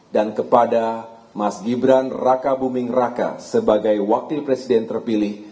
dan kepada mas gibran raka buming raka sebagai wakil presiden terpilih